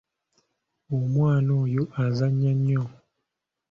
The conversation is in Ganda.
Omwana oyo azannya nnyo.